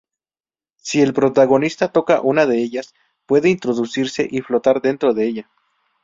Si el protagonista toca una de ellas, puede introducirse y flotar dentro de ella.